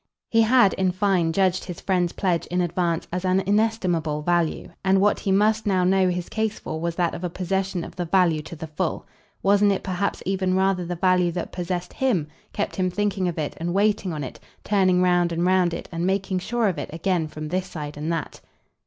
He had in fine judged his friend's pledge in advance as an inestimable value, and what he must now know his case for was that of a possession of the value to the full. Wasn't it perhaps even rather the value that possessed HIM, kept him thinking of it and waiting on it, turning round and round it and making sure of it again from this side and that?